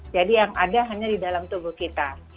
yang ada hanya di dalam tubuh kita